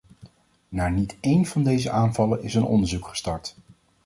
Naar niet één van deze aanvallen is een onderzoek gestart.